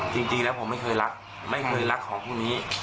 จริงแล้วผมไม่เคยรักไม่เคยรักของพวกนี้